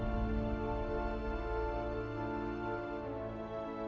jalan yang kau